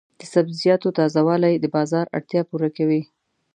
د سبزیجاتو تازه والي د بازار اړتیا پوره کوي.